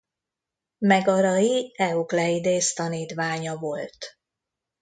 Megarai Eukleidész tanítványa volt.